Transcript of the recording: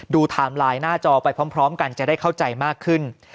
ไทม์ไลน์หน้าจอไปพร้อมกันจะได้เข้าใจมากขึ้น